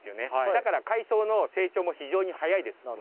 だから海藻の成長も非常に速いです。